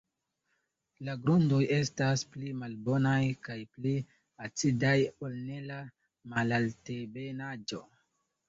La grundoj estas pli malbonaj kaj pli acidaj ol en la malaltebenaĵo.